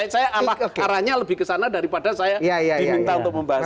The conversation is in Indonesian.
saya arahnya lebih ke sana daripada saya diminta untuk membahas